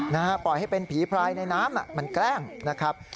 นะฮะปล่อยให้เป็นผีพรายในน้ำมันแกล้งนะครับ